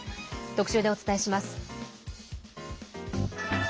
特集でお伝えします。